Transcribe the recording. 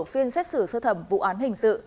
phiên xét xử sơ thẩm vụ án hình sự